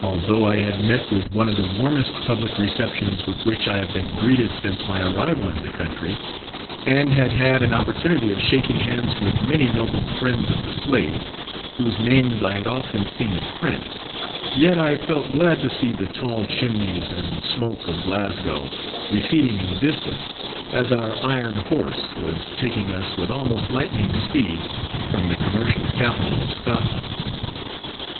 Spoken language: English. Although I had met with one of the warmest public receptions with which I have been greeted since my arrival in the country, and had had an opportunity of shaking hands with many noble friends of the slave, whose names I had often seen in print, yet I felt glad to see the tall chimneys and smoke of Glasgow receding in the distance, as our 'iron horse' was taking us with almost lightning speed from the commercial capital of Scotland.